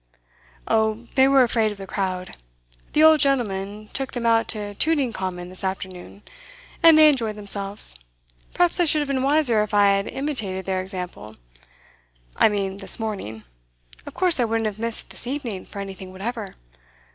'Oh, they were afraid of the crowd. The old gentleman took them out to Tooting Common this afternoon, and they enjoyed themselves. Perhaps I should have been wiser if I had imitated their example; I mean this morning; of course I wouldn't have missed this evening for anything whatever.